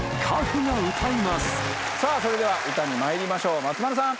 それでは歌にまいりましょう松丸さん。